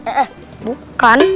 eh eh bukan